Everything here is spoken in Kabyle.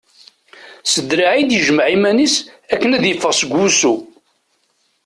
S draɛ i d-yejmeɛ iman-is akken ad d-iffeɣ seg wussu.